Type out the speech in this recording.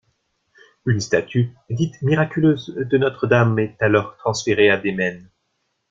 Une statue, dite miraculeuse, de Notre-Dame est alors transférée à Demen.